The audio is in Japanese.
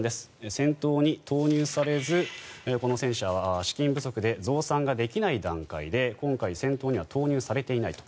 戦闘に投入されずこの戦車は資金不足で増産ができない状態で今回、戦闘には投入されていないと。